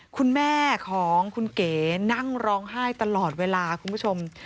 คุณแม่ของคุณเก๋นั่งร้องไห้ตลอดเวลาคุณผู้ชม